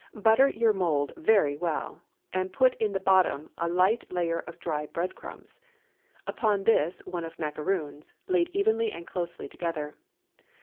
Butter your mould very well, and put in the bottom a light layer of dry bread crumbs; upon this one of macaroons, laid evenly and closely together.